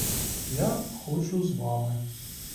Я хочу з вами.